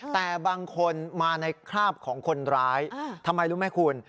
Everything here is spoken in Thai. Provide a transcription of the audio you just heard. แต่บางคนมาในคราบของคนร้ายทำไมรู้ไหมคุณ